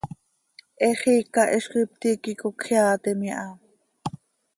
He xiica hizcoi ptiiqui cocjeaatim iha.